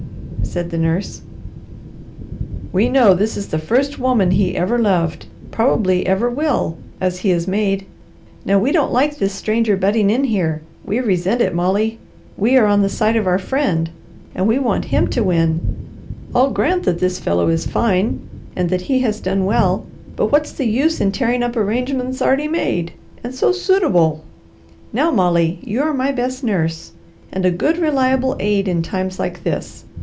said the nurse. "We know this is the first woman he ever loved, probably ever will, as he is made. Now we don't like this stranger butting in here; we resent it, Molly. We are on the side of our friend, and we want him to win. I'll grant that this fellow is fine, and that he has done well, but what's the use in tearing up arrangements already made? And so suitable! Now Molly, you are my best nurse, and a good reliable aid in times like this.